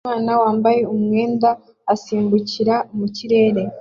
Umwana wambaye umwenda asimbukira mu kirere